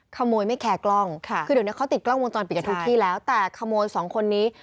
ขโมยไม่แคร์กล้องค่ะคือเดี๋ยวนี้เขาติดกล้องวงจรปิดกับทุกที่แล้วแต่ขโมยสองคนนี้